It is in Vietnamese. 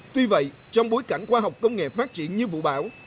tuy vậy trong bối cảnh khoa học công nghệ phát triển như vũ bảo